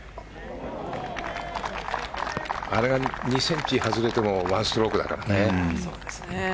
あれが２ｃｍ外れても１ストロークだからね。